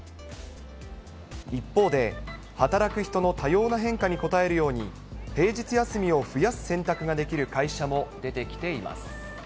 一方で、働く人の多様な変化に応えるように、平日休みを増やす選択ができる会社も出てきています。